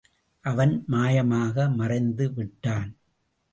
அவன் மாயமாக மறைந்து விட்டான்.